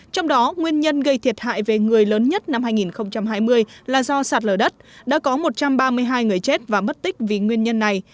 trong đó nguyên nhân gây thiệt hại về người lớn nhất năm hai nghìn hai mươi là do sạt lở đất đã có một trăm ba mươi hai người chết và mất tích vì nguyên nhân này